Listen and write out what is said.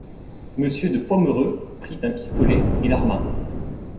Monsieur de Pomereux prit un pistolet et l'arma.